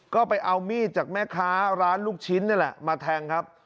ก็ไปเอามีดจากแม่ค้าร้านลูกชิ้นนี่แหละมาแทงครับ